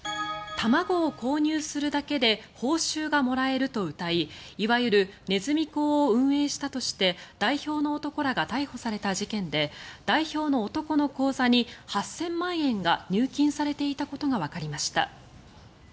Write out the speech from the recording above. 卵を購入するだけで報酬がもらえるとうたいいわゆるネズミ講を運営したとして代表の男らが逮捕された事件で代表の男の口座に８０００万円が入金されていたことがわかりました。